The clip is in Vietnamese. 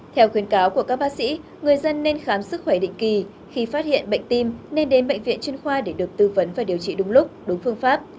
theo khuyến cáo của các bác sĩ người dân nên khám sức khỏe định kỳ khi phát hiện bệnh tim nên đến bệnh viện chuyên khoa để được tư vấn và điều trị đúng lúc đúng phương pháp